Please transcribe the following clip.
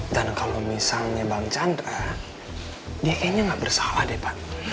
dan kalau misalnya bang chandra dia kayaknya gak bersalah deh pak